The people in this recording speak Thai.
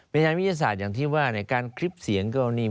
พยานวิทยาศาสตร์อย่างที่ว่าในการคลิปเสียงก็นี่